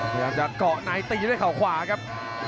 พยายามจะเกาะในตีด้วยเขาขวาครับ